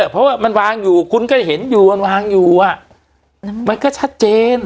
เพราะว่ามันวางอยู่คุณก็เห็นอยู่มันวางอยู่มันก็ชัดเจน